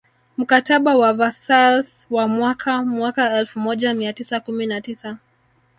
Mkataba wa Versailles wa mwaka mwaka elfumoja mia tisa kumi na tisa